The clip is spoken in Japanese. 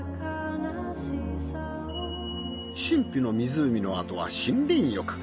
神秘の湖のあとは森林浴。